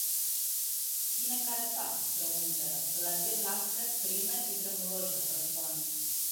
“Quina cara fa?”, pregunta: “La té blanca, prima i tremolosa”, respon.